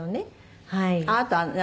あなたは何？